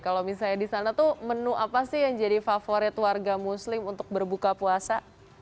kalau misalnya di sana tuh menu apa sih yang jadi favorit warga muslim untuk berbuka puasa